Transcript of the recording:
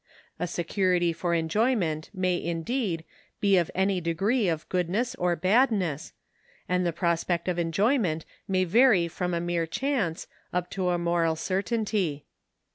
A security for enjoyment may, indeed, be of any degree of goodness or badness, and the prospect of enjoyment may vary from a mere chance up to moral certainty.